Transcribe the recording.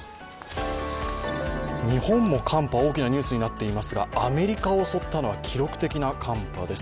日本も寒波、大きなニュースになっていますが、アメリカを襲ったのは記録的な寒波です。